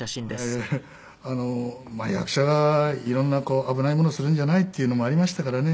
役者が色んな危ないものするんじゃないっていうのもありましたからね。